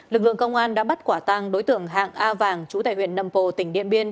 lực lượng công an đã bắt quả tăng đối tượng hạng a vàng chủ tài huyện nâm pồ tỉnh điện biên